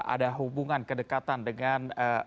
ada hubungan kedekatan dengan